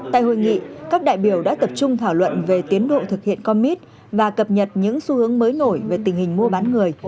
tại hội nghị các đại biểu đã tập trung thảo luận về tiến độ thực hiện commit và cập nhật những xu hướng mới nổi về tình hình mua bán người